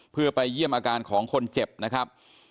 เพื่อไปเยี่ยมอาการของคนเจ็บนะครับ